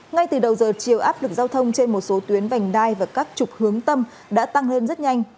ngay từ đầu giờ chiều áp lực giao thông trên một số tuyến vành đai và các trục hướng tâm đã tăng lên rất nhanh